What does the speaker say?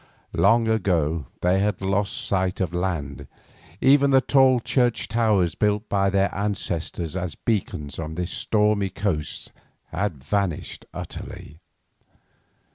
Long ago they had lost sight of land; even the tall church towers built by our ancestors as beacons on this stormy coast had vanished utterly.